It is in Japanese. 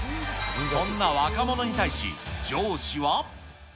そんな若者に対し、上司は。